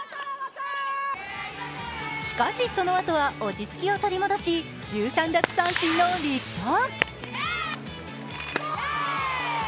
しかし、その後は落ち着きを取り戻し、１３奪三振の力投。